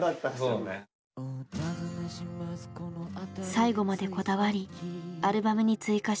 最後までこだわりアルバムに追加した曲。